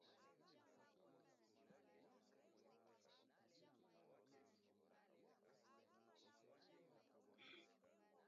Nadazamilwa ni w'andu w'a iriso